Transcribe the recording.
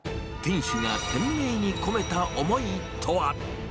店主が店名に込めた思いとは。